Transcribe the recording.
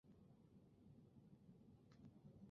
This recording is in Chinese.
配楼的风格和主楼类似。